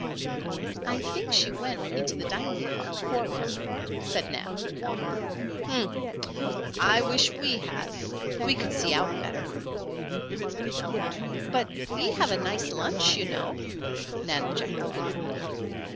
"I think she went into the dining car, forward," said Nan. "Humph! I wish we had. We could see out better." "But we have a nice lunch, you know," Nan objected.